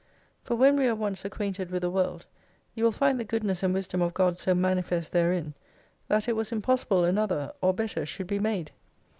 For when we are once acquainted with the world, you will find the goodness and wisdom of God so manifest therein, that it was impossible another, or better should be made.